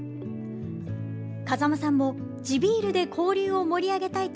風間さんも、地ビールで交流を盛り上げたいと